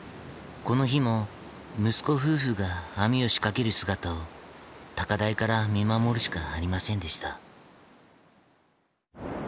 この日も息子夫婦が網を仕掛ける姿を高台から見守るしかありませんでした。